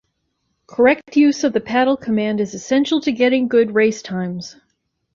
Correct use of the paddle command is essential to getting good race times.